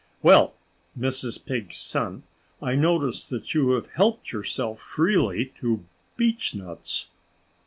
"Well, Mrs. Pig's son, I notice that you have helped yourself freely to beechnuts."